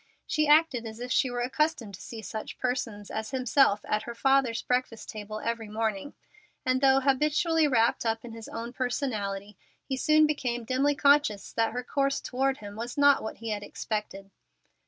She acted as if she were accustomed to see such persons as himself at her father's breakfast table every morning; and, though habitually wrapped up in his own personality, he soon became dimly conscious that her course toward him was not what he had expected.